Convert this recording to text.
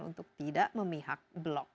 untuk tidak memihak blok